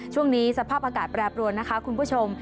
ช่วงนี้สภาพอากาศแปรปรวนนะคะคุณผู้ชม